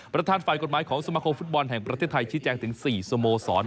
ประธานฝ่ายกฎหมายของสมาคมฟุตบอลแห่งประเทศไทยชี้แจงถึง๔สโมสร